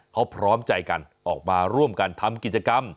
เขาพร้อมใจกันออกมาร่วมกันทำกิจกรรม